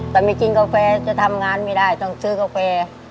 ถ้าไม่กินกาแฟจะทำงานไม่ได้ต้องซื้อกาแฟ